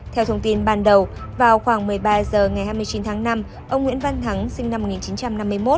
theo thông tin ban đầu vào khoảng một mươi ba h ngày hai mươi chín tháng năm ông nguyễn văn thắng sinh năm một nghìn chín trăm năm mươi một